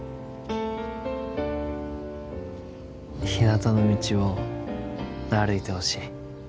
ひなたの道を歩いてほしい。